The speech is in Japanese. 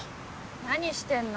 何してんの？